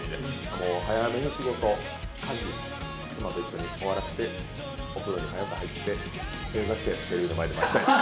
もう早めに仕事家事妻と一緒に終わらしてお風呂に早く入って正座してテレビの前で待ちたいと。